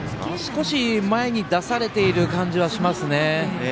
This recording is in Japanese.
少し前に出されている感じはしますね。